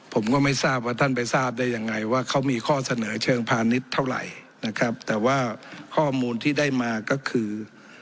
ผมก็ไม่ทราบว่าท่านไปทราบได้ยังไงว่าเขามีข้อเสนอเชิงพาณิชย์เท่าไหร่นะครับแต่ว่าข้อมูลที่ได้มาก็คือ